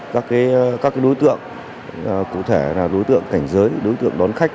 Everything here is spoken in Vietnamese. các đối tượng cụ thể là đối tượng cảnh giới đối tượng đón khách